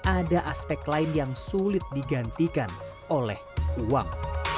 ada aspek lain yang sulit digantikan oleh uang